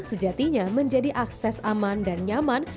sejatinya menjadi akses aman dan nyaman